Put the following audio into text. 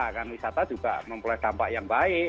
kan wisata juga mempunyai dampak yang baik